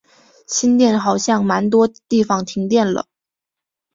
新店好像蛮多地方停电了